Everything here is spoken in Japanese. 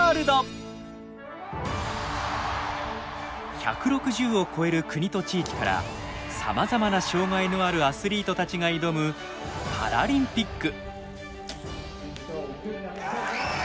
１６０を超える国と地域からさまざまな障害のあるアスリートたちが挑むパラリンピック。